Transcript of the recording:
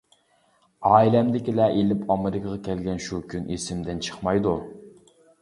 ئائىلەمدىكىلەر ئىلىپ ئامېرىكىغا كەلگەن شۇ كۈن ئېسىمدىن چىقمايدۇ.